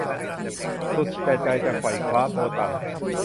สุดแต่ใจจะไขว่คว้า - โบตั๋น